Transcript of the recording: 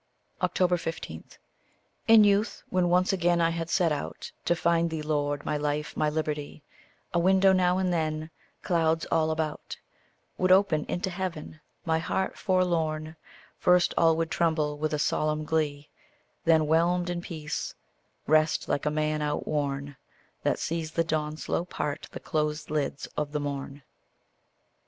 15. In youth, when once again I had set out To find thee, Lord, my life, my liberty, A window now and then, clouds all about, Would open into heaven: my heart forlorn First all would tremble with a solemn glee, Then, whelmed in peace, rest like a man outworn, That sees the dawn slow part the closed lids of the morn.